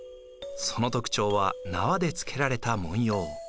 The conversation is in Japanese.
その特徴は縄でつけられた文様。